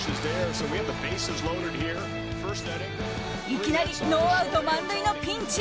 いきなりノーアウト満塁のピンチ。